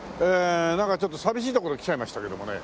なんかちょっとなんか寂しい所来ちゃいましたけどもね。